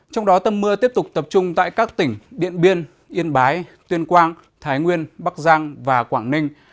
trong đó tâm mưa tiếp tục tập trung tại các tỉnh điện biên yên bái tuyên quang thái nguyên bắc giang và quảng ninh